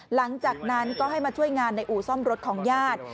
หลังจากนั้นก็ให้มาช่วยงานในอู่ซ่อมรถของญาติ